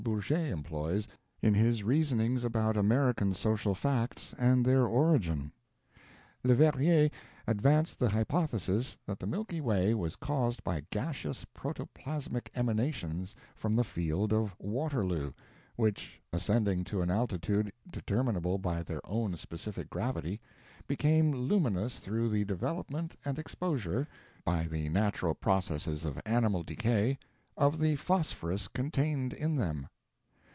Bourget employs in his reasonings about American social facts and their origin. Leverrier advanced the hypothesis that the Milky Way was caused by gaseous protoplasmic emanations from the field of Waterloo, which, ascending to an altitude determinable by their own specific gravity, became luminous through the development and exposure by the natural processes of animal decay of the phosphorus contained in them.